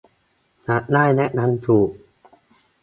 จะได้แนะนำถูก